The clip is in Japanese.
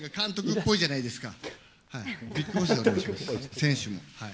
選手も。